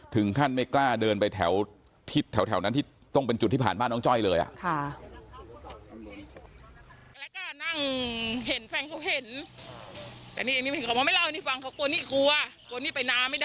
ถึงขั้นไม่กล้าเดินไปแถวนั้นที่ต้องเป็นจุดที่ผ่านบ้านน้องจ้อยเลย